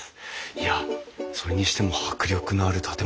いやそれにしても迫力のある建物ですね。